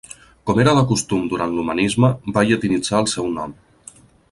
Com era de costum durant l'humanisme va llatinitzar el seu nom.